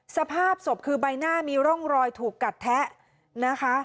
สภาพศพคือใบหน้ามีร่องรอยถูกกัดแทะนะคะ